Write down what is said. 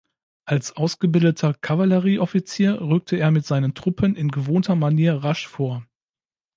Als ausgebildeter Kavallerieoffizier rückte er mit seinen Truppen in gewohnter Manier rasch vor.